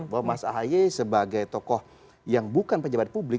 bahwa mas ahy sebagai tokoh yang bukan pejabat publik